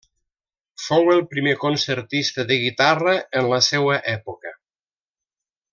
Fou el primer concertista de guitarra en la seua època.